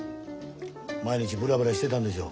毎日ブラブラしてたんでしょう